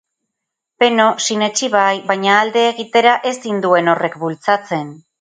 Beno, sinetsi bai, baina alde egitera ez hinduen horrek bultzatzen.